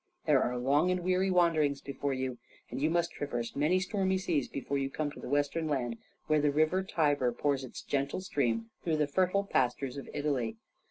There are long and weary wanderings before you, and you must traverse many stormy seas before you come to the western land where the river Tiber pours its gentle stream through the fertile pastures of Italy.